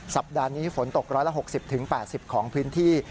สัปดาห์นี้ฝนตก๑๖๐๘๐ของพื้นที่